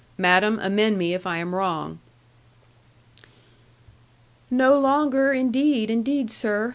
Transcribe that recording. Madam, amend me if I am wrong.' 'No longer, indeed, indeed, sir.